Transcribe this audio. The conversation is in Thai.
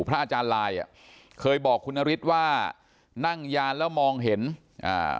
พระอาจารย์ลายอ่ะเคยบอกคุณนฤทธิ์ว่านั่งยานแล้วมองเห็นอ่า